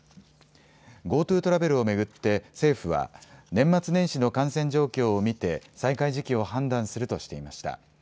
ＧｏＴｏトラベルを巡って政府は年末年始の感染状況を見て再開時期を判断するとしていました。